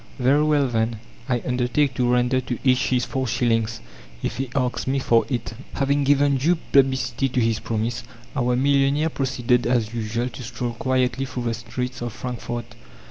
Very well, then, I undertake to render to each his four shillings if he asks me for it." Having given due publicity to his promise, our millionaire proceeded as usual to stroll quietly through the streets of Frankfort.